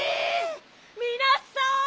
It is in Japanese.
みなさん！